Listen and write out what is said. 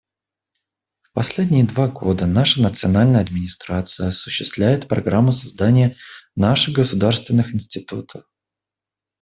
В последние два года наша национальная администрация осуществляет программу создания наших государственных институтов.